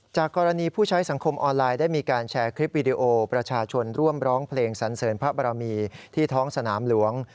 จากกรณีผู้ใช้สังคมออนไลน์ได้มีการแชร์คลิปวิดีโอประชาชนร่วมร้องเพลงสันเสริญพระบรมีที่ท้องสนามหลวง